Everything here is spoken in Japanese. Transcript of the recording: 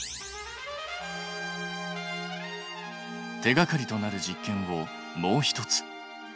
手がかりとなる実験をもう１つ。